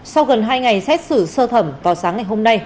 sau gần hai ngày xét xử sơ thẩm vào sáng ngày hôm nay